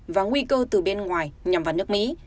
và nguy cơ từ bên ngoài nhằm vào nước mỹ